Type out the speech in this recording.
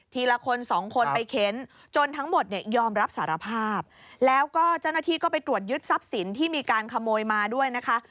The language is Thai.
ละคนสองคนไปเค้นจนทั้งหมดเนี่ยยอมรับสารภาพแล้วก็เจ้าหน้าที่ก็ไปตรวจยึดทรัพย์สินที่มีการขโมยมาด้วยนะคะ